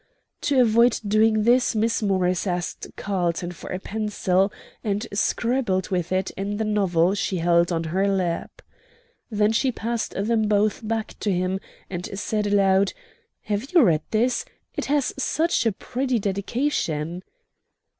To avoid doing this Miss Morris asked Carlton for a pencil, and scribbled with it in the novel she held on her lap. Then she passed them both back to him, and said, aloud: "Have you read this? It has such a pretty dedication."